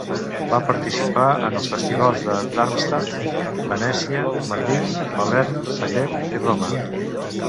Va participar en els festivals de Darmstadt, Venècia, Madrid, Palerm, Zagreb i Roma.